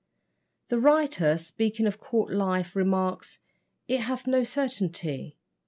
The writer, speaking of court life, remarks, "It hath no certainty.